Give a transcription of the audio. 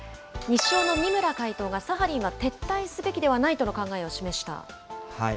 日商の三村会頭が、サハリンは撤退すべきではないとの考えを示した。